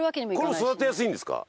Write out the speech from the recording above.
これも育てやすいんですか？